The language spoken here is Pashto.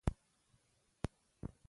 زما او ستا سودا لاس په لاس ورکول وو.